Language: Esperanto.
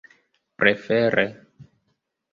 prefere